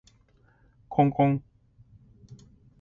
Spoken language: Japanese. こんこん